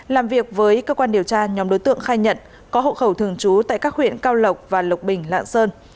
làm việc với cơ quan điều tra nhóm đối tượng khai nhận có hộ khẩu thường trú tại các huyện cao lộc và lộc bình lạng sơn